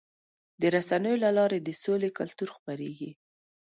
د رسنیو له لارې د سولې کلتور خپرېږي.